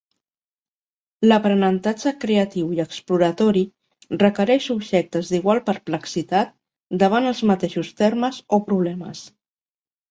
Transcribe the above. L'aprenentatge creatiu i exploratori requereix subjectes d'igual perplexitat davant els mateixos termes o problemes.